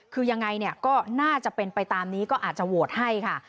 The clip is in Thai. คือยังไงเนี่ยก็น่าจะเป็นไปตามนี้ก็อาจจะโหวตให้ค่ะ